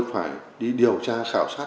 phải đi điều tra khảo sát